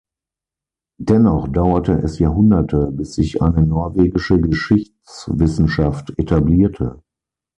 Dennoch dauerte es Jahrhunderte, bis sich eine norwegische Geschichtswissenschaft etablierte.